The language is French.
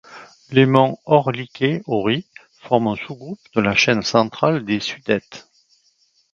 Les monts Orlické hory forment un sous-groupe de la chaîne centrale des Sudètes.